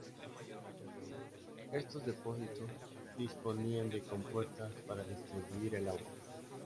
Estos depósitos disponían de compuertas para distribuir el agua.